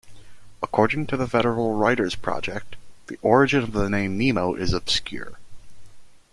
According to the Federal Writers' Project, the origin of the name Nemo is obscure.